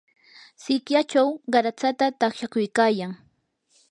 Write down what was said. sikyachaw qaratsata taqshakuykayan.